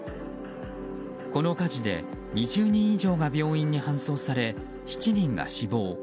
この火事で２０人以上が病院に搬送され７人が死亡。